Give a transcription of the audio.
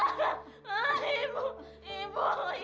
kasih hati ia kenapa aku buta lagi